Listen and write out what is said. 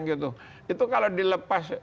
gitu itu kalau dilepas